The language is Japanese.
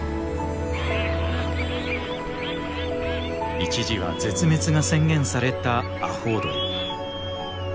一時は絶滅が宣言されたアホウドリ。